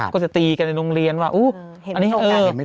ก็จะตีกันในโรงเรียนว่าอู้วอันเนี่ยเออ